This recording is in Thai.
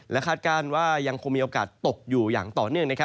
คาดการณ์ว่ายังคงมีโอกาสตกอยู่อย่างต่อเนื่อง